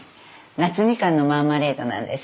夏みかんのマーマレードなんです。